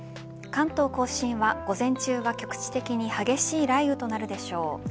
関東甲信は、午前中は局地的に激しい雷雨となるでしょう。